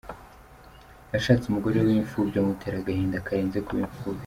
Yashatse umugore w’imfubyi amutera agahinda karenze kuba imfubyi.